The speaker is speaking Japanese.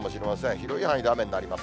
広い範囲で雨になります。